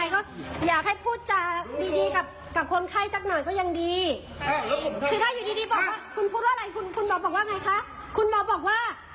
คุณหมอบอกว่าไงคะคุณหมอบอกว่า